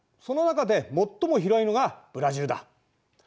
その中で最も広いのがブラジルだ。